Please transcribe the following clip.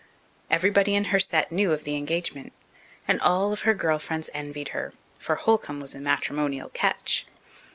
Everybody in her set knew of her engagement, and all her girl friends envied her, for Holcomb was a matrimonial catch.